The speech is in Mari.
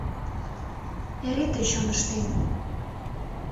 Эре тый чоныштем